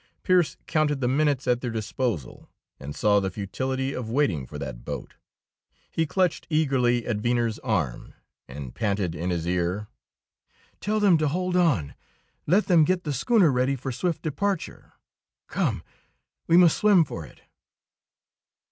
Pearse counted the minutes at their disposal, and saw the futility of waiting for that boat. He clutched eagerly at Venner's arm, and panted in his ear: "Tell them to hold on! Let them get the schooner ready for swift departure. Come, we must swim for it."